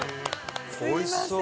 おいしそう。